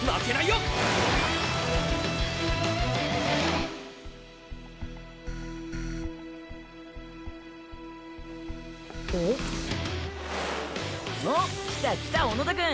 うん？おっ来た来た小野田くん。